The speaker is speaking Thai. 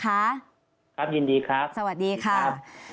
ครับยินดีครับสวัสดีครับ